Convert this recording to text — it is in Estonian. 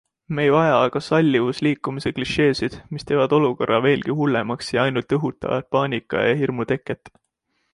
Me ei vaja aga sallivusliikumise klišeesid, mis teevad olukorra veelgi hullemaks ja ainult õhutavad paanika ja hirmu teket.